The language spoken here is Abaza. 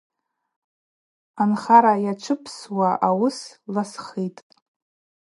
Анхара йачвымпсуа йуыс ласхитӏ.